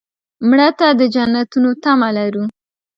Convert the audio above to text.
مړه ته د جنتونو تمه لرو